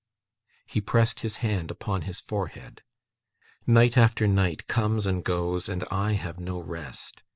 He pressed his hand upon his forehead. 'Night after night comes and goes, and I have no rest.